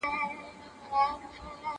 زه له سهاره د ښوونځي کتابونه مطالعه کوم!